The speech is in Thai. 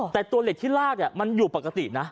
แต่ตัวเหล็กที่ลากมันอยู่ปกตินะ